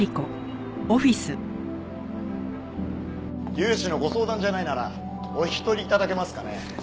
融資のご相談じゃないならお引き取り頂けますかね。